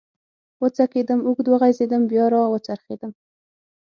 و څکېدم، اوږد وغځېدم، بیا را و څرخېدم.